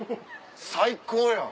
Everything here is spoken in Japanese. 最高やん。